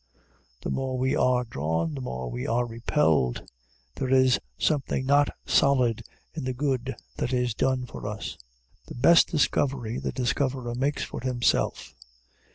The more we are drawn, the more we are repelled. There is something not solid in the good that is done for us. The best discovery the discoverer makes for himself.